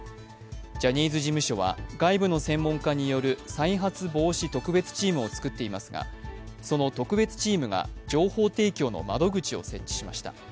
ジャニーズ事務所は外部の専門家による再発防止特別チームを作っていますが、その特別チームが情報提供の窓口を設置しました。